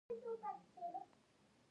تاریخ د خپل ولس د موسیقي انځور دی.